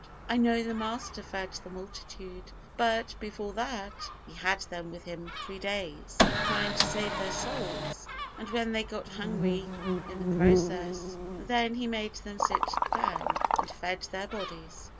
I know the Master fed the multitude; but, before that, He had them with Him three days, trying to save their souls, and when they got hungry in the process, then He made them sit down, and fed their bodies.